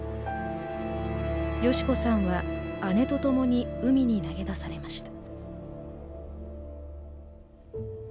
祥子さんは姉と共に海に投げ出されました。